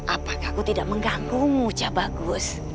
apakah aku tidak mengganggumu jabagus